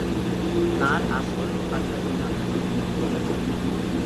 তাঁর আসল পারিবারিক নাম ছিল 'ডি রোজারিয়ো'।